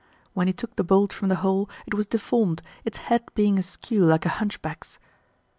When he took the bolt from the hole, it was deformed, its head being askew like a hunchback's.